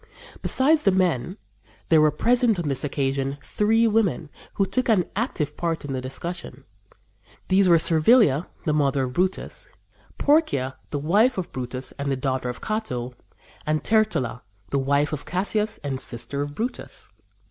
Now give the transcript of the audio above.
Besides the men, there were present on this occasion three women, who took an active part in the discussion. These were Servilia, the mother of Brutus, Porcia, the wife of Brutus and the daughter of Cato, and Tertulla, the wife of Cassius and sister of Brutus.